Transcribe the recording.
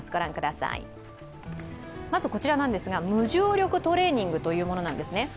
まずこちら、無重力トレーニングというものなんですね。